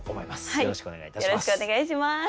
よろしくお願いします。